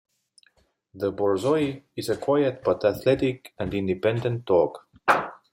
The borzoi is a quiet, but athletic and independent dog.